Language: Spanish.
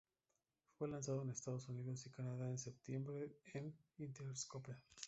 Fue lanzado en Estados Unidos y Canadá en septiembre en Interscope.